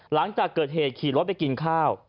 หลังจากเกิดเหตุขี่รถไปกินข้าว